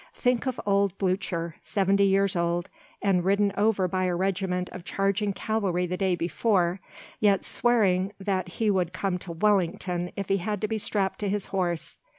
Think of old Blucher, seventy years old, and ridden over by a regiment of charging cavalry the day before, yet swearing that he would come to Wellington if he had to be strapped to his horse.